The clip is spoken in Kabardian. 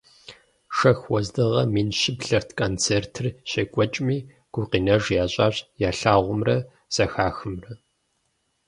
Шэху уэздыгъэ мин щыблэрт концертыр щекӀуэкӀми, гукъинэж ящӀащ ялъагъумрэ зэхахымрэ.